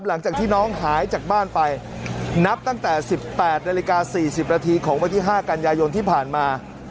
หลังจากที่น้องหายจากบ้านไปนับตั้งแต่๑๘นาฬิกา๔๐นาทีของวันที่๕กันยายนที่ผ่านมา